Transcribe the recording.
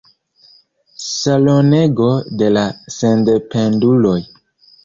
Salonego de la sendependuloj.